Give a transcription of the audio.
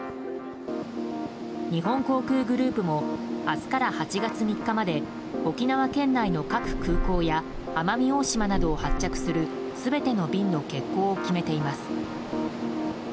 日本航空グループも明日から８月３日まで沖縄県内の各空港や奄美大島などを発着する全ての便の欠航を決めています。